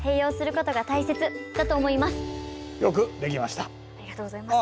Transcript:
ありがとうございます。